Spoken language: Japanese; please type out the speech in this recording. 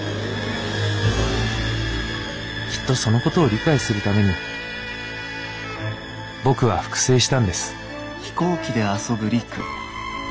きっとそのことを理解するために僕は復生したんです」。